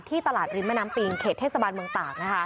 ตลาดริมแม่น้ำปิงเขตเทศบาลเมืองตาก